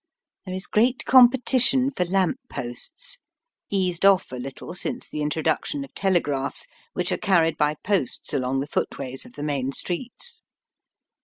There is great competition for lamp posts, eased off a little since the introduction of telegraphs, which are carried by posts along the footways of the main streets.